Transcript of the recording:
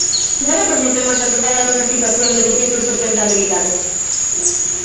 ¡Claro que o sistema se atopaba nunha situación de difícil sustentabilidade!